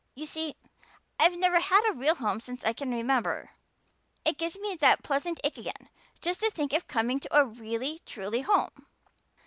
You see, I've never had a real home since I can remember. It gives me that pleasant ache again just to think of coming to a really truly home.